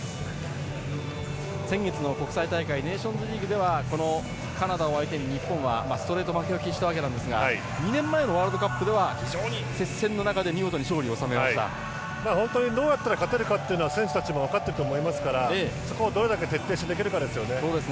先月の国際大会ネーションズリーグではカナダを相手に日本はストレート負けを喫したわけですが２年前のワールドカップでは非常に接戦の中で本当にどうやったら勝てるかというのは選手たちも分かっていると思いますからそこをどれだけ徹底してできるかですよね。